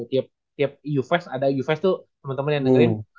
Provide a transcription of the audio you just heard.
tiap u fest ada u fest tuh temen temen yang dengerin